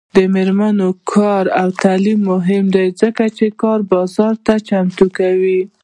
د میرمنو کار او تعلیم مهم دی ځکه چې کار بازار ته چمتو کوي.